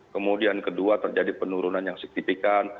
kemudian kedua terjadi penurunan yang signifikan